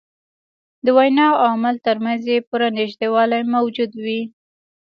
د وینا او عمل تر منځ یې پوره نژدېوالی موجود وي.